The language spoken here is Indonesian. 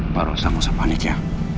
pak rosnah jangan panik ya